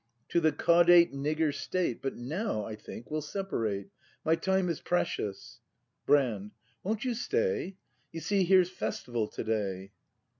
To the Caudate nigger State But now, I think, we'll separate; My time is precious Brand. Won't you stay? You see here's festival to day.